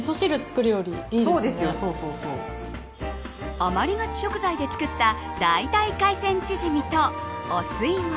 余りがち食材で作っただいたい海鮮チヂミとお吸い物。